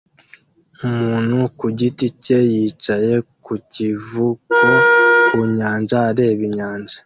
Umuntu ku giti cye yicaye ku kivuko ku nyanja areba inyanja